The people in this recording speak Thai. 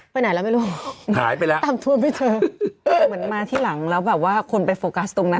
ไหนแล้วไม่รู้หายไปแล้วตามทัวร์ไม่เจอเหมือนมาที่หลังแล้วแบบว่าคนไปโฟกัสตรงนั้น